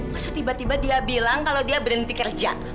masa tiba tiba dia bilang kalau dia berhenti kerja